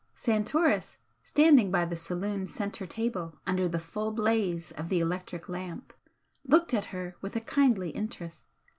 Santoris, standing by the saloon centre table tinder the full blaze of the electric lamp, looked at her with a kindly interest.